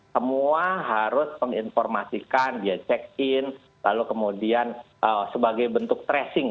semua harus menginformasikan dia check in lalu kemudian sebagai bentuk tracing